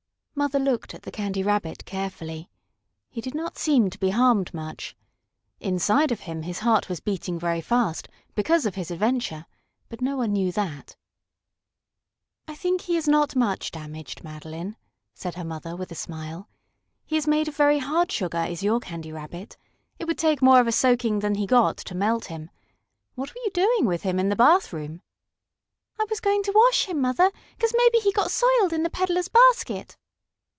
Mother looked at the Candy Rabbit carefully. He did not seem to be harmed much. Inside of him his heart was beating very fast, because of his adventure, but no one knew that. "I think he is not much damaged, Madeline," said her mother, with a smile. "He is made of very hard sugar is your Candy Rabbit. It would take more of a soaking than he got to melt him. What were you doing with him in the bathroom?" "I was going to wash him, Mother, 'cause maybe he got soiled in the peddler's basket."